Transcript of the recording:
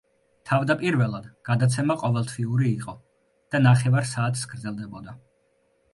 თავდაპირველად გადაცემა ყოველთვიური იყო და ნახევარ საათს გრძელდებოდა.